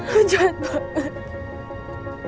lo jahat banget